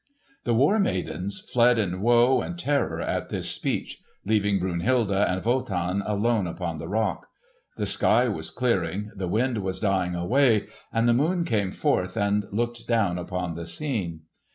The War Maidens fled in woe and terror at this speech, leaving Brunhilde and Wotan alone upon the rock. The sky was clearing, the wind was dying away, and the moon came forth and looked down upon the scene.